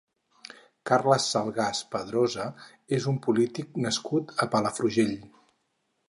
Carles Salgas Padrosa és un polític nascut a Palafrugell.